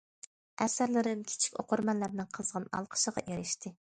ئەسەرلىرىم كىچىك ئوقۇرمەنلەرنىڭ قىزغىن ئالقىشىغا ئېرىشتى.